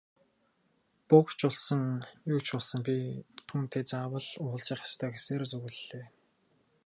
Буг ч болсон, юу ч болсон би түүнтэй заавал уулзах ёстой гэсээр зүглэлээ.